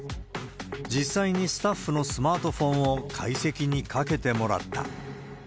実際にスタッフのスマートフォンを解析にかけてもらった。